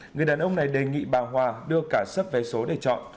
người đàn ông này đề nghị bà hòa đưa cả sấp vé số để chọn